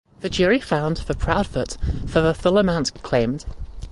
The jury found for Proudfoot for the full amount claimed.